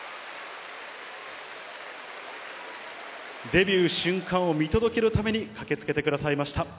デビュー瞬間を見届けるために駆けつけてくださいました。